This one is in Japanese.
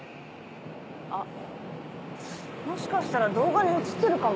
あもしかしたら動画に写ってるかも。